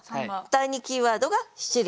第２キーワードが「七輪」。